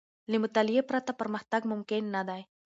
له مطالعې پرته، پرمختګ ممکن نه دی.